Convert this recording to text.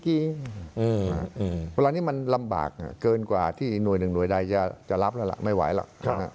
เพราะอันนี้มันรำบากเกินกว่าที่หน่วยด้วยจะรับแล้วไม่ไหวหรอก